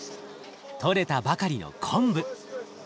とれたばかりの昆布。